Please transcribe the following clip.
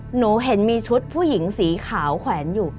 หนูเห็นมีชุดผู้หญิงสีขาวแขวนอยู่